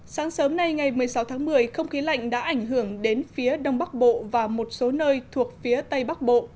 sáng sớm nay ngày một mươi sáu tháng một mươi không khí lạnh đã ảnh hưởng đến phía đông bắc bộ và một số nơi thuộc phía tây bắc bộ